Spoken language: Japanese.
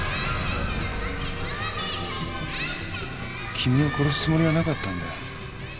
君を殺すつもりはなかったんだよ。